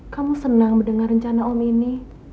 kamu senang mendengar rencana om ini